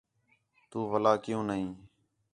تُو وَلا کیوں نہیں